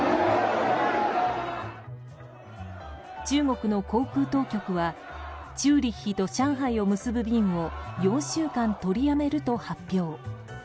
中国の航空当局はチューリヒと上海を結ぶ便を４週間、取りやめると発表。